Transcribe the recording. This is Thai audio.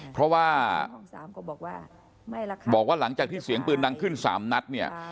เพราะว่าบอกว่าหลังจากที่เสียงปืนดังขึ้น๓นัดเนี่ย